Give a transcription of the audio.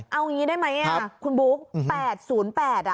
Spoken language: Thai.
เอาอย่างงี้ได้ไหมอ่ะครับคุณบุ๊คแปดศูนย์แปดอ่ะ